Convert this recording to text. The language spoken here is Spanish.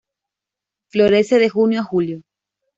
Florece de junio a julio.